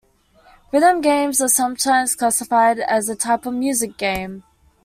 Rhythm games are sometimes classified as a type of music game.